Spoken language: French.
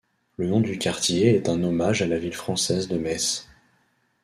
Le nom du quartier est un hommage à la ville française de Metz.